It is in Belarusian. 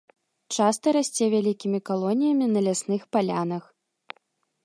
Часта расце вялікімі калоніямі на лясных палянах.